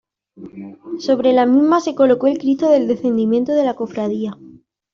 Sobre la misma se colocó el Cristo del Descendimiento de la Cofradía.